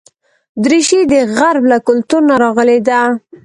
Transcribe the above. دریشي د غرب له کلتور نه راغلې ده.